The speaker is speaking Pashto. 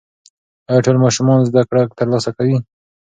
ایا ټول ماشومان زده کړه ترلاسه کوي؟